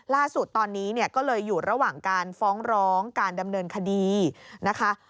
ล่าสุดตอนนี้เนี่ยก็เลยอยู่ระหว่างการฟ้องร้องการดำเนินคดีนะคะ